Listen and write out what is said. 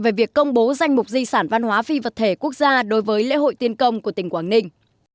về việc công bố danh mục di sản văn hóa phi vật thể quốc gia đối với lễ hội tiên công của tỉnh quảng ninh